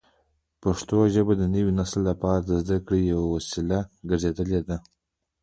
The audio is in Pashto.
پښتو ژبه د نوي نسل لپاره د زده کړې یوه وسیله ګرځېدلې ده.